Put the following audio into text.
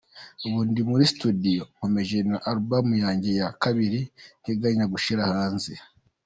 ubu ndi muri studio, nkomeje na album yanjye ya kabiri nteganya gushyira hanze.